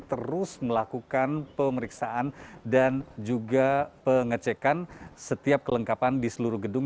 terus melakukan pemeriksaan dan juga pengecekan setiap kelengkapan di seluruh gedung